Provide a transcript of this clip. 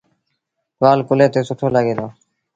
ٽوآل ڪلهي تي سُٺو لڳي دو